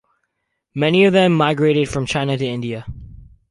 Many of them have migrated from China to India.